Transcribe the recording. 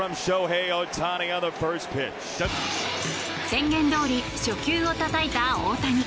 宣言どおり初球をたたいた大谷。